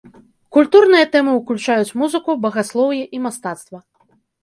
Культурныя тэмы ўключаюць музыку, багаслоўе і мастацтва.